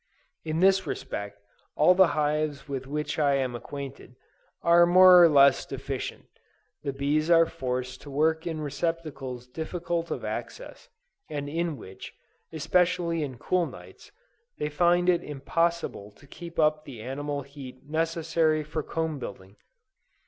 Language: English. In this respect, all the hives with which I am acquainted, are more or less deficient: the bees are forced to work in receptacles difficult of access, and in which, especially in cool nights, they find it impossible to keep up the animal heat necessary for comb building.